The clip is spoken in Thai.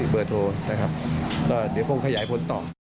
เบอร์โทรนะครับเดี๋ยวพ่งขยายพ้นต่อ